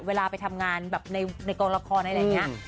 เวลาไปทำงานแบบในกองละครอะไรอย่างนี้